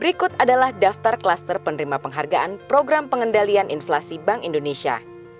berikut adalah daftar klaster penerima penghargaan program pengendalian inflasi bank indonesia